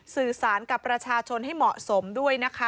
สื่อสารกับประชาชนให้เหมาะสมด้วยนะคะ